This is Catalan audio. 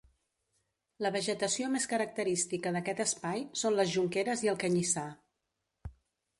La vegetació més característica d’aquest espai són les jonqueres i el canyissar.